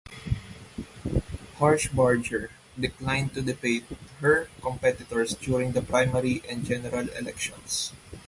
Harshbarger declined to debate her competitors during the primary and general elections.